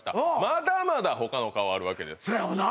まだまだほかの顔あるわけです